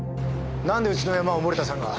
なんでうちのヤマを森田さんが？